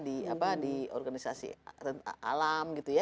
di organisasi alam